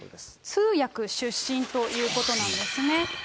通訳出身ということなんですね。